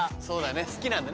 そうだね。